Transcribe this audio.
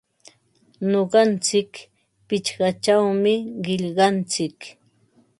Nuqantsik qichpachawmi qillqantsik.